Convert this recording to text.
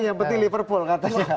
yang penting liverpool katanya